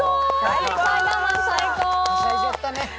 はしゃいじゃったね。